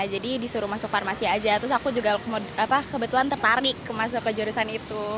jadi disuruh masuk farmasi aja terus aku juga kebetulan tertarik masuk ke jurusan itu